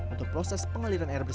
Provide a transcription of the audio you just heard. untuk proses pengaliran air bersih